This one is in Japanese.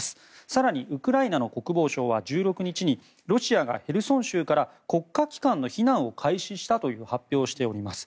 更に、ウクライナの国防省は１６日にロシアがヘルソン州から国家機関の避難を開始したと発表しています。